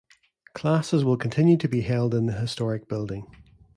Classes will continue to be held in the historic building.